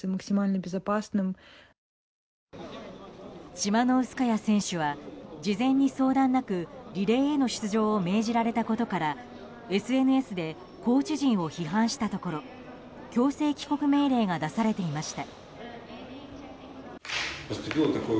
チマノウスカヤ選手は事前に相談なくリレーへの出場を命じられたことからＳＮＳでコーチ陣を批判したところ強制帰国命令が出されていました。